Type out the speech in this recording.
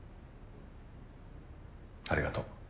ありがとう。